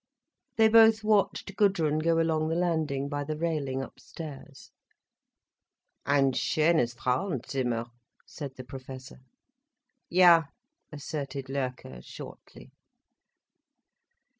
They both watched Gudrun go along the landing by the railing upstairs. "Ein schönes Frauenzimmer," said the Professor. "Ja!" asserted Loerke, shortly.